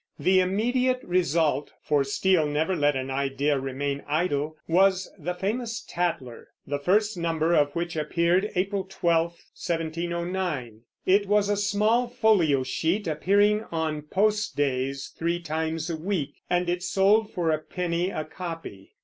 The immediate result for Steele never let an idea remain idle was the famous Tatler, the first number of which appeared April 12, 1709. It was a small folio sheet, appearing on post days, three times a week, and it sold for a penny a copy.